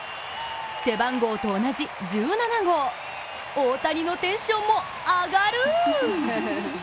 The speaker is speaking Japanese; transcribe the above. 背番号と同じ１７号、大谷のテンションも上がる！